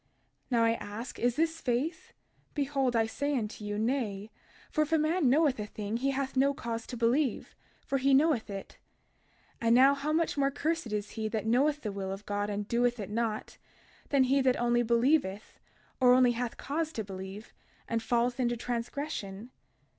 32:18 Now I ask, is this faith? Behold, I say unto you, Nay; for if a man knoweth a thing he hath no cause to believe, for he knoweth it. 32:19 And now, how much more cursed is he that knoweth the will of God and doeth it not, than he that only believeth, or only hath cause to believe, and falleth into transgression?